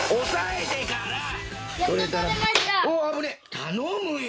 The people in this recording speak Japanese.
頼むよ！